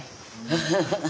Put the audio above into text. アハハハ